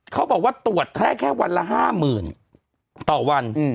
เขาบอกว่าตรวจได้แค่วันละ๕๐๐๐ต่อวัน